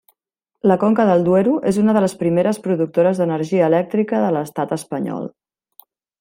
La conca del Duero és una de les primeres productores d'energia elèctrica de l'Estat espanyol.